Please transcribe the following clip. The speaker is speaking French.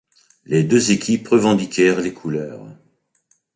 Les deux équipes revendiquèrent les couleurs.